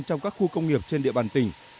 trong các khu công nghiệp trên địa bàn tỉnh